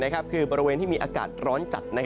คือบริเวณที่มีอากาศร้อนจัด